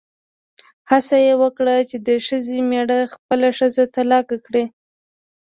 هڅه یې وکړه چې د ښځې مېړه خپله ښځه طلاقه کړي.